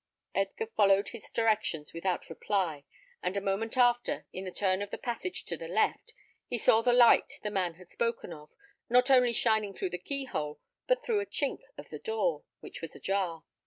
Edgar followed his directions without reply; and a moment after, in a turn of the passage to the left, saw the light the man had spoken of, not only shining through the keyhole, but through a chink of the door, which was ajar.